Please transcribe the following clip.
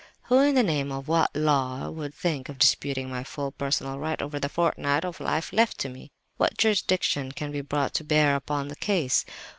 "Who, in the name of what Law, would think of disputing my full personal right over the fortnight of life left to me? What jurisdiction can be brought to bear upon the case?